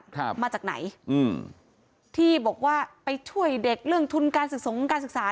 ครับมาจากไหนอืมที่บอกว่าไปช่วยเด็กเรื่องทุนการศึกษาการศึกษา